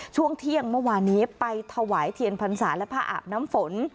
ช่วงเที่ยงเมื่อวานนี้ไปถวายเทียนพรรษาและผ้าอาบน้ำฝน